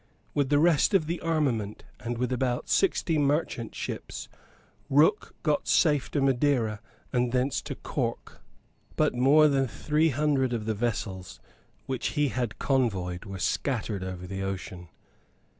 With the rest of the armament, and with about sixty merchant ships, Rooke got safe to Madeira and thence to Cork. But more than three hundred of the vessels which he had convoyed were scattered over the ocean.